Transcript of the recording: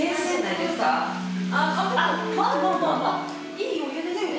いいお湯ですね。